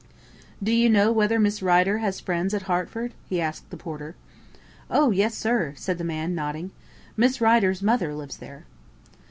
"Do you know whether Miss Rider has friends at Hertford?" he asked the porter. "Oh, yes, sir," said the man nodding. "Miss Rider's mother lives there."